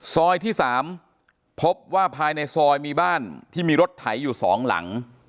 ที่๓พบว่าภายในซอยมีบ้านที่มีรถไถอยู่๒หลัง